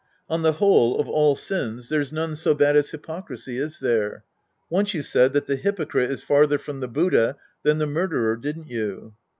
On the whole, of all sins, there's none so bad as hyprocrisy, is there ? Once you said that the hypocrite is farther from the Buddha than the mur derer, didn't you